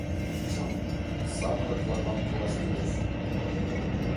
— Чын, самырык-влаклан пуаш кӱлеш!